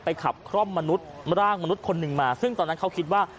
ขับคล่อมมนุษย์ร่างมนุษย์คนหนึ่งมาซึ่งตอนนั้นเขาคิดว่า